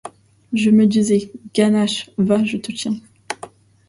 Je me disais : Ganache ! va, je te tiens.